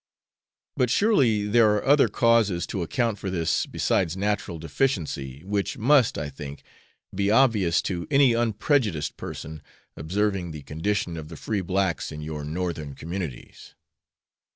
But surely there are other causes to account for this besides natural deficiency, which must, I think, be obvious to any unprejudiced person observing the condition of the free blacks in your Northern communities.